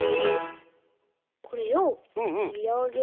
これをひろげたら。